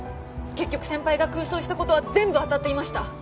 結局先輩が空想した事は全部当たっていました。